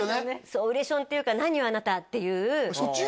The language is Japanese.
そう嬉ションっていうか「何よあなた」っていうそっち？